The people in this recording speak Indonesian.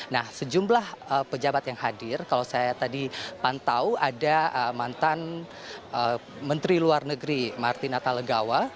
nah sejumlah pejabat yang hadir kalau saya tadi pantau ada mantan menteri luar negeri martina talegawa